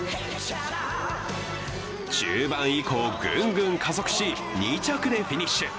中盤以降、グングン加速し、２着でフィニッシュ。